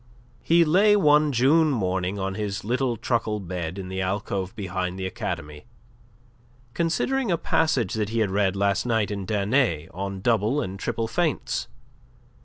He lay one June morning on his little truckle bed in the alcove behind the academy, considering a passage that he had read last night in Danet on double and triple feints.